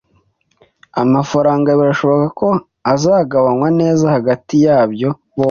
Amafaranga birashoboka ko azagabanywa neza hagati yabyo bombi.